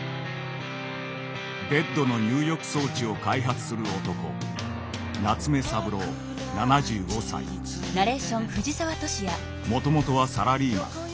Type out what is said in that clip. ベッドの入浴装置を開発する男もともとはサラリーマン。